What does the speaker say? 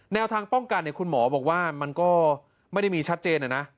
แนวทางป้องกันคุณหมอบอกว่ามันก็ไม่ได้มีชัดเจนนะ